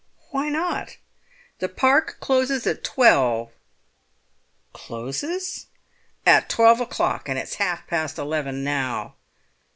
"Why not?" "The Park closes at twelve." "Closes?" "At twelve o'clock, and it's half past eleven now."